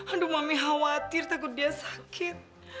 aduh mami khawatir takut dia sakit